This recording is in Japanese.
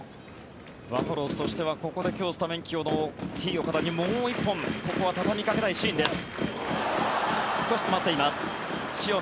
バファローズとしてはここで今日スタメン起用のＴ−岡田にもう１本、ここは畳みかけたいシーンです。